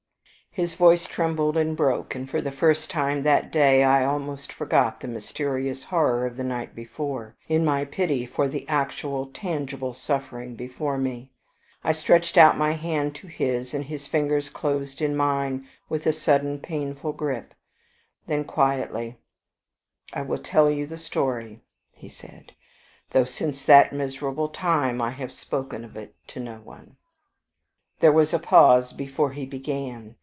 His voice trembled and broke, and for the first time that day I almost forgot the mysterious horror of the night before, in my pity for the actual, tangible suffering before me. I stretched out my hand to his, and his fingers closed on mine with a sudden, painful grip. Then quietly "I will tell you the story," he said, "though since that miserable time I have spoken of it to no one." There was a pause before he began.